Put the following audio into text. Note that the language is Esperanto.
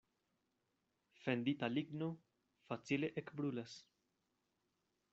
Fendita ligno facile ekbrulas.